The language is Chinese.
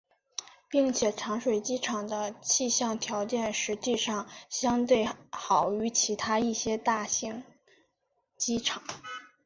并且长水机场的气象条件实际上相对好于其他一些全国大型机场。